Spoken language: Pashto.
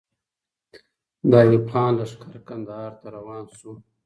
د ایوب خان لښکر کندهار ته روان سو.